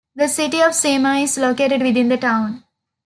The City of Seymour is located within the town.